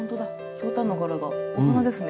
ひょうたんの柄がお花ですね。